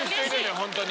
ホントに。